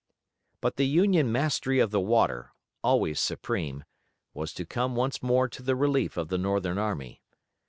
But the Union mastery of the water, always supreme, was to come once more to the relief of the Northern army.